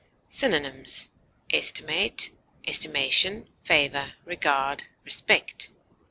_ Synonyms: estimate, estimation, favor, regard, respect.